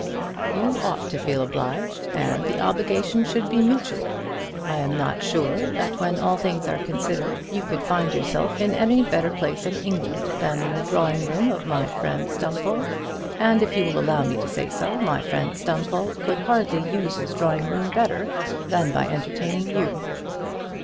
You ought to feel obliged, and the obligation should be mutual. I am not sure, that when all things are considered, you could find yourself in any better place in England, than in the drawing room of my friend Stumfold; and, if you will allow me to say so, my friend Stumfold could hardly use his drawing room better, than by entertaining you."